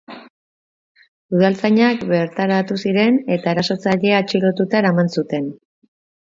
Udaltzainak bertaratu ziren eta erasotzailea atxilotuta eraman zuten.